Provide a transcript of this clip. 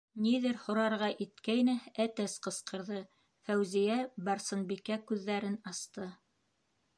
- Ниҙер һорарға иткәйне, әтәс ҡысҡырҙы, Фәүзиә-Барсынбикә күҙҙәрен асты.